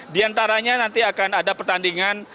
di antaranya nanti akan ada pertandingan